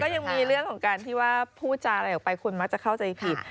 ยังมีเรื่องของการที่ว่าพูดจาอะไรออกไปคุณมักจะเข้าใจผิด